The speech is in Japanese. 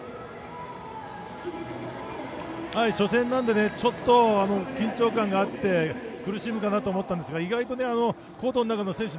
初戦なんでちょっと緊張感があって苦しむかなと思ったんですけど意外とコートの中の選手